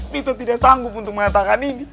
tito tidak sanggup untuk mengatakan ini